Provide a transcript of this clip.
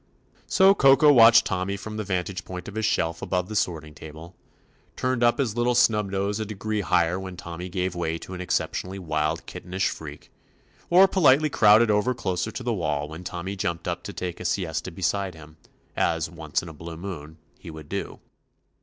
So Koko watched Tommy from the vantage point of his shelf above the sorting table, turned up his little snub nose a degree higher when Tommy gave way to an exceptionally wild, kittenish freak, or politely crowded over closer to the wall when Tommy jumped up to take a siesta beside him, as "once in a blue moon" he would do.